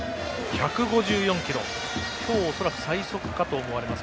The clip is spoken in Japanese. １５４キロ、今日恐らく最速かと思われます